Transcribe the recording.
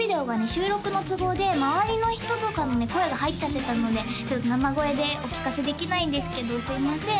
収録の都合で周りの人とかのね声が入っちゃってたのでちょっと生声でお聴かせできないんですけどすいません